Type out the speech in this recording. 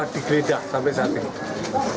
di gredah sampai saat ini